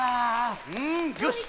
うんよし！